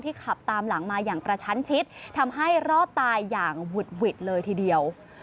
ขับตามหลังมาอย่างกระชั้นชิดทำให้รอดตายอย่างหวุดหวิดเลยทีเดียว